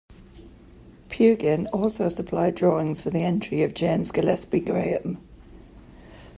Pugin also supplied drawings for the entry of James Gillespie Graham.